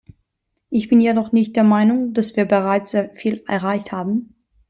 Ich bin jedoch nicht der Meinung, dass wir bereits sehr viel erreicht haben.